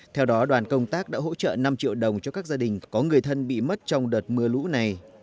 theo đó đoàn công tác đã hỗ trợ năm triệu đồng cho các gia đình có người thân bị mất trong đợt mưa lũ này